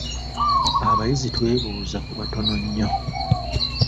Abayizi twebuuza ku batono nnyo.